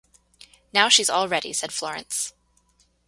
“Now, she’s all ready,” said Florence.